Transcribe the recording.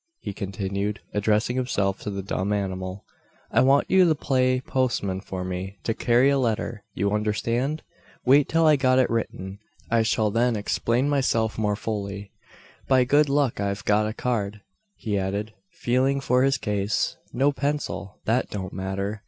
he continued, addressing himself to the dumb animal; "I want you to play postman for me to carry a letter. You understand? Wait till I've got it written. I shall then explain myself more fully." "By good luck I've got a card," he added, feeling for his case. "No pencil! That don't matter.